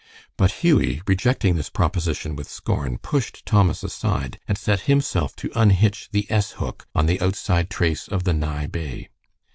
But Hughie, rejecting this proposition with scorn, pushed Thomas aside and set himself to unhitch the S hook on the outside trace of the nigh bay.